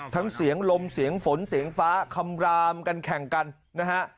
ทั้งเสียงลมเสียงฝนเสียงฟ้าคำรามกันแข่งกันนะฮะ